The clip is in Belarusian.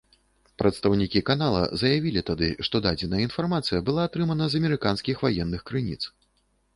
Прадстаўнікі канала заявілі тады, што дадзеная інфармацыя была атрымана з амерыканскіх ваенных крыніц.